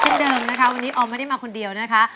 เช่นเดิมนะครับวันนี้ออมไม่ได้มาคนเดียวนะครับ